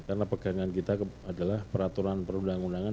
karena pegangan kita adalah peraturan perundang undangan